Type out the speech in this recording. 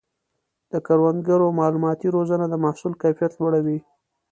د کروندګرو مالوماتي روزنه د محصول کیفیت لوړوي.